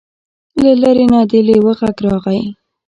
له لرې نه د لیوه غږ راغی.